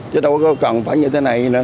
chứ đâu cần phải như thế này nữa